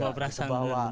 sempat kebawa perasaan